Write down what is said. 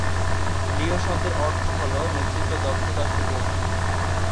লিও শব্দের অর্থ হল নেতৃত্ব, দক্ষতা, সুযোগ।